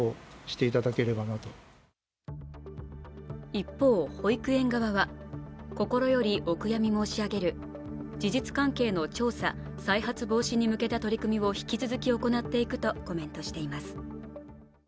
一方、保育園側は、心よりお悔やみ申し上げる、事実関係の調査、再発防止に向けた取り組みを引き続き行っていくとコメントしています。